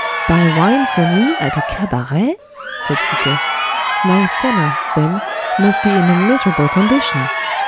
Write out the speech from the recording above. buy wine for me, at a cabaret?" said Fouquet. "My cellar, then, must be in a miserable condition!"